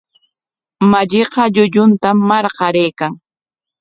Malliqa llulluntam marqaraykan.